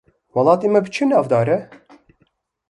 Welatê me bi çi navdar e?